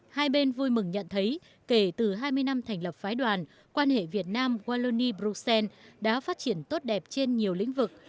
hai bên vui mừng nhận thấy kể từ hai mươi năm thành lập phái đoàn quan hệ việt nam wallonie bruxelles đã phát triển tốt đẹp trên nhiều lĩnh vực